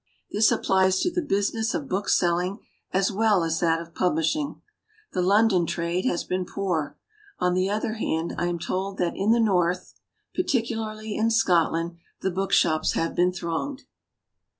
This ap plies to the business of bookselling as well as that of publishing. The Lon don trade has been poor. On the other hand, I am told that in the north, and particularly in Scotland, the book shops have been thronged.